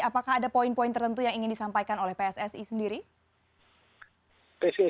apakah ada poin poin tertentu yang ingin disampaikan oleh pssi sendiri